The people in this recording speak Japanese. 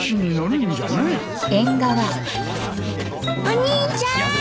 お兄ちゃーん。